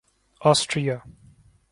Austria